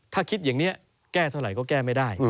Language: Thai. ถ้าคิดอย่างนี้แก้เท่าไหร่ก็แก้ไม่ได้